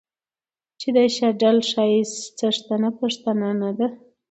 چې د شډل ښايست څښتنه پښتنه نه ده